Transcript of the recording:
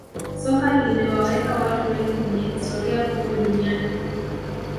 soka limewaweka watu wengi kwenye historia kubwa duniani